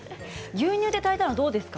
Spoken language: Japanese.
牛乳で炊いたのどうですか。